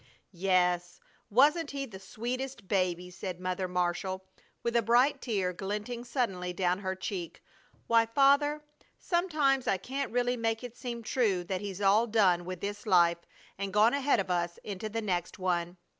"Yes, wasn't he the sweetest baby!" said Mother Marshall, with a bright tear glinting suddenly down her cheek. "Why, Father, sometimes I can't really make it seem true that he's all done with this life and gone ahead of us into the next one.